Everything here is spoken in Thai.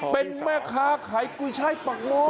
เป็นแม่ค้าไข่กุยช่ายปากโม่